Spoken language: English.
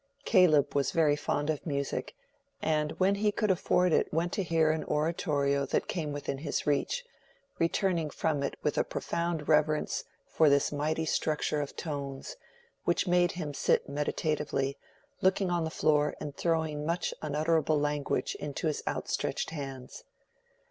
Caleb was very fond of music, and when he could afford it went to hear an oratorio that came within his reach, returning from it with a profound reverence for this mighty structure of tones, which made him sit meditatively, looking on the floor and throwing much unutterable language into his outstretched hands.